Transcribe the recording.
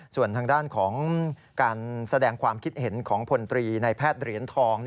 ส่วนทางด้านของการแสดงความคิดเห็นของพลตรีในแพทย์เหรียญทอง